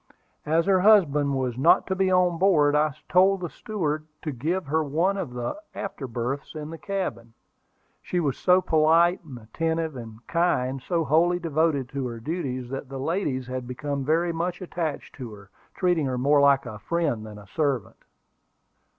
As her husband was not to be on board, I told the steward to give her one of the after berths in the cabin. She was so polite, attentive, and kind, so wholly devoted to her duties, that the ladies had become very much attached to her, treating her more like a friend than a servant.